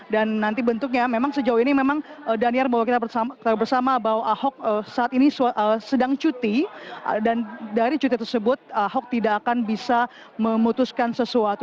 dan nanti bentuknya memang sejauh ini memang daniel bawa kita bersama bahwa ahok saat ini sedang cuti dan dari cuti tersebut ahok tidak akan bisa memutuskan sesuatu